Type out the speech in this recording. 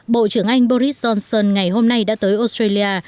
bộ trưởng anh boris johnson ngày hôm nay đã tới australia